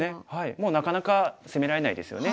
もうなかなか攻められないですよね。